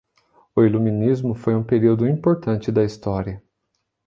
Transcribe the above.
O iluminismo foi um período importante da história